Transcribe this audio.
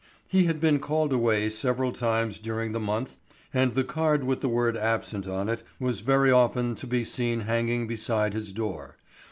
He had been called away several times during the month and the card with the word "absent" on it was very often to be seen hanging beside his door.